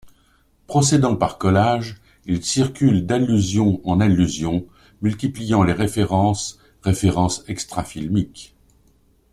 Procédant par collage, il circule d'allusion en allusion, multipliant les références références extrafilmiques.